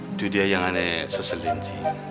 itu dia yang aneh seselinci